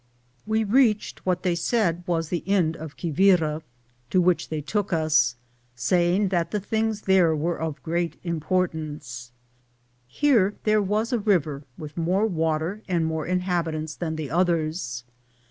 "We reached what they eaid was the end of Quibira, to which they took us, saying that the things there were of great impor tance. 1 Here there was a river, with more water and more inhabitants than the others.